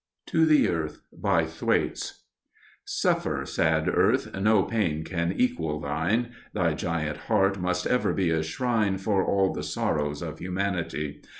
TO THE EARTH BY THWAITES Suffer, sad earth; no pain can equal thine: Thy giant heart must ever be a shrine For all the sorrows of Humanity.